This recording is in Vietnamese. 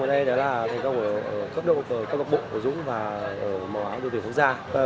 thành công ở đây là thành công ở cấp đội bộ của dũng và ở màu áo đội tuyển quốc gia